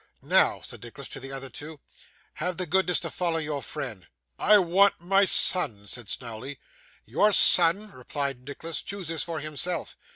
'Now,' said Nicholas to the other two, 'have the goodness to follow your friend.' 'I want my son,' said Snawley. 'Your son,' replied Nicholas, 'chooses for himself.